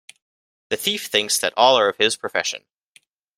The thief thinks that all are of his profession.